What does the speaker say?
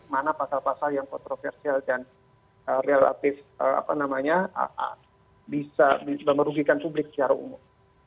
mana pasal pasal yang kontroversial dan relatif bisa merugikan publik secara umum